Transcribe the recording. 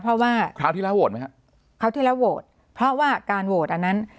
เพราะว่าคราวที่แล้วโหวตไหมฮะคราวที่แล้วโหวตเพราะว่าการโหวตอันนั้น